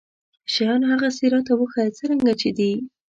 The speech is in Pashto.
شيان هغسې راته وښايه څرنګه چې دي.